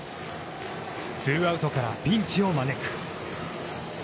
ツーアウトからピンチを招く。